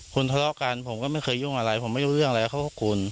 คุณทะเลาะกันผมก็ไม่เคยยุ่งอะไรผมไม่รู้เรื่องอะไรกับเขากับคุณ